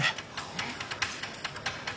えっ？